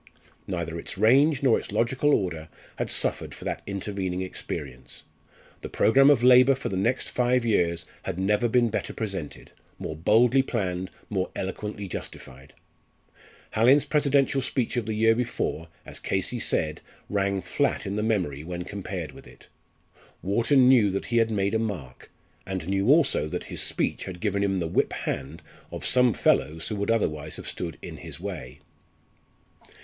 Neither its range nor its logical order had suffered for that intervening experience. The programme of labour for the next five years had never been better presented, more boldly planned, more eloquently justified. Hallin's presidential speech of the year before, as Casey said, rang flat in the memory when compared with it. Wharton knew that he had made a mark, and knew also that his speech had given him the whip hand of some fellows who would otherwise have stood in his way.